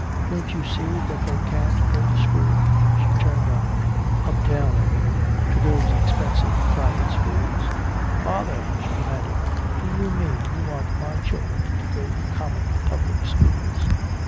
"Don't you see that they can't go to school?" She turned on him. "Uptown, I mean, to those expensive private schools." "Father!" she demanded. "Do you mean you want my children to go to common public schools?"